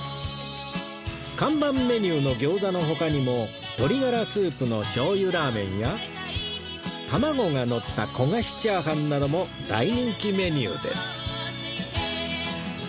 看板メニューの餃子の他にも鶏ガラスープのしょう油ラーメンや卵がのった焦がしチャーハンなども大人気メニューです